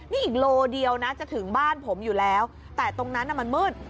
นี่อีกโลเดียวนะจะถึงบ้านผมอยู่แล้วแต่ตรงนั้นมันมืด